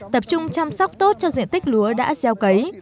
tập trung chăm sóc tốt cho diện tích lúa đã bị thiệt hại